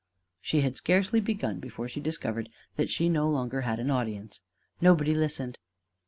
She had scarcely begun before she discovered that she no longer had an audience: nobody listened.